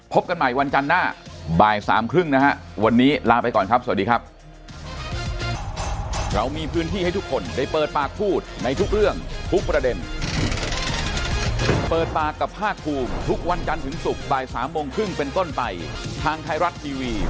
พบกันใหม่วันจันทร์หน้าบ่ายสามครึ่งนะฮะวันนี้ลาไปก่อนครับสวัสดีครับ